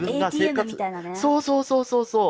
そうそうそうそう！